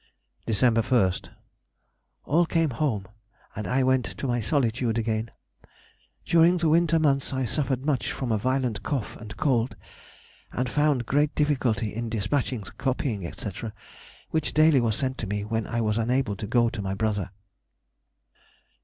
December 1st.—All came home, and I went to my solitude again. During the winter months I suffered much from a violent cough and cold, and found great difficulty in despatching the copying, &c., which daily was sent to me when I was unable to go to my brother.